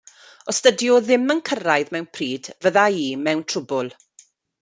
Os dydi o ddim yn cyrraedd mewn pryd fydda i mewn trwbl.